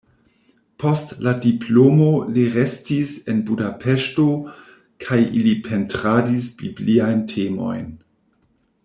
Post la diplomo li restis en Budapeŝto kaj li pentradis bibliajn temojn.